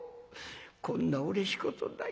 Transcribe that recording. こんなうれしいことない。